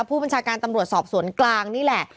ผู้บัญชาการตำรวจสอบสวนกลางนี่แหละ